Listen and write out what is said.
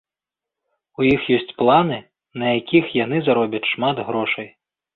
У іх ёсць планы, на якіх яны заробяць шмат грошай.